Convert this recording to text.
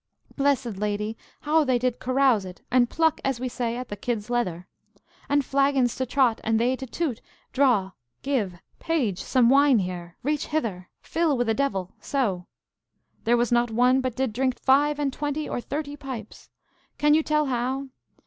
Blessed Lady, how they did carouse it, and pluck, as we say, at the kid's leather! And flagons to trot, and they to toot, Draw; give, page, some wine here; reach hither; fill with a devil, so! There was not one but did drink five and twenty or thirty pipes. Can you tell how?